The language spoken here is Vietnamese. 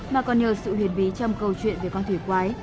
mà còn nhiều sự huyệt bí trong câu chuyện về con thủy quái